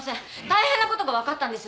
大変なことが分かったんです。